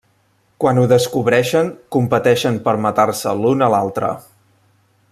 Quan ho descobreixen competeixen per matar-se l'un a l'altre.